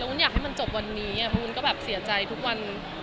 วุ้นอยากให้มันจบวันนี้วุ้นก็แบบเสียใจทุกวัน